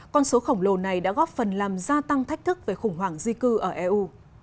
con số khổng lồ này đã góp phần làm gia tăng thách thức về khủng hoảng di cư ở eu